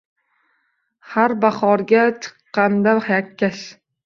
Har bahorga chiqqanda yakkash